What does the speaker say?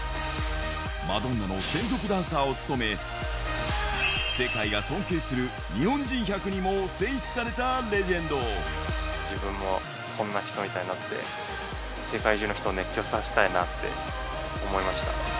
マドンナの専属ダンサーを務め、世界が尊敬する日本人１００人に自分もこんな人みたいになって、世界中の人を熱狂させたいなって思いました。